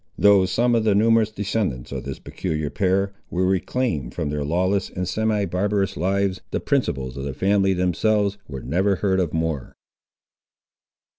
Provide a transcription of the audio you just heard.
Though some of the numerous descendants of this peculiar pair were reclaimed from their lawless and semi barbarous lives, the principals of the family, themselves, were never heard of more.